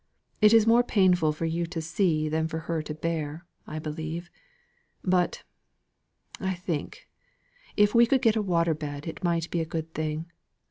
It is more painful for you to see than for her to bear, I believe. But, I think, if we could get a water bed it might be a good thing.